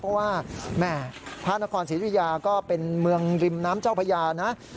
เพราะว่าแม่พระนครศรีรุยาก็เป็นเมืองริมน้ำเจ้าพญานะ